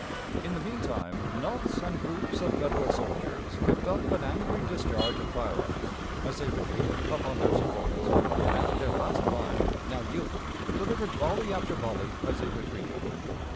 In the mean time knots and groups of Federal soldiers kept up an angry discharge of firearms as they retreated upon their supports, and their last line, now yielding, delivered volley after volley as they retreated.